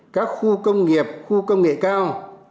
các khu công nghiệp khu công nghệ cao